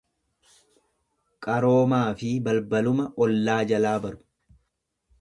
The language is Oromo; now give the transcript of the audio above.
Qaroomaa fi balbaluma ollaa jalaa baru.